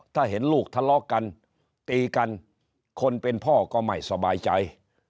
ถ้าเห็นลูกทะเลาะกันตีกันคนเป็นพ่อก็ไม่สบายใจ